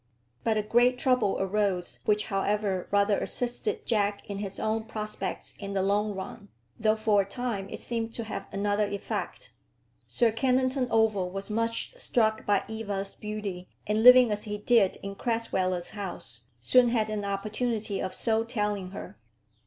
But a great trouble arose, which, however, rather assisted Jack in his own prospects in the long run, though for a time it seemed to have another effect. Sir Kennington Oval was much struck by Eva's beauty, and, living as he did in Crasweller's house, soon had an opportunity of so telling her.